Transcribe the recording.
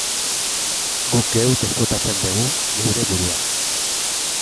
Guk geuk esplotatzen dugu geure burua.